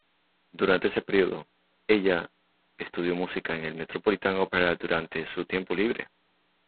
Durante ese período, ella estudió música en el Metropolitan Opera durante su tiempo libre.